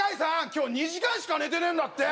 今日２時間しか寝てねえんだって